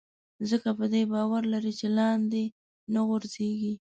ځکه په دې باور لري چې لاندې نه غورځېږي.